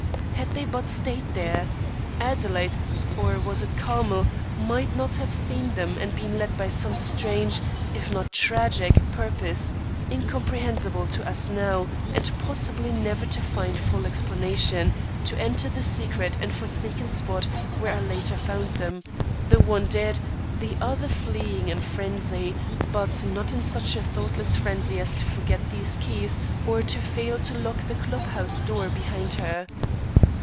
Had they but stayed there! Adelaide, or was it Carmel, might not have seen them and been led by some strange, if not tragic, purpose, incomprehensible to us now and possibly never to find full explanation, to enter the secret and forsaken spot where I later found them, the one dead, the other fleeing in frenzy, but not in such a thoughtless frenzy as to forget these keys or to fail to lock the club house door behind her.